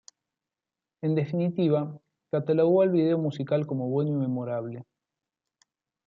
En definitiva, catalogó al video musical como bueno y memorable.